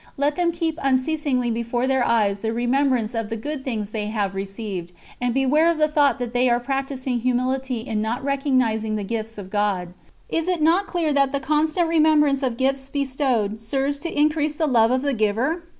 Let them keep unceasingly before their eyes the remembrance of the good things they have received, and beware of the thought that they are practising humility in not recognising the gifts of God. Is it not clear that the constant remembrance of gifts bestowed serves to increase the love of the giver?